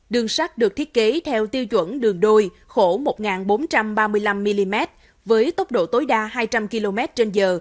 đường sắt được thiết kế theo tiêu chuẩn đường đôi khổ một bốn trăm ba mươi năm mm với tốc độ tối đa hai trăm linh km trên giờ